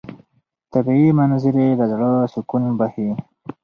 طبیعي منظرې د زړه سکون بښي.